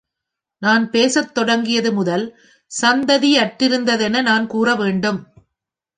நான் பேசத் தொடங்கியது முதல் சந்தடியற்றிருந்ததென நான் கூற வேண்டும்.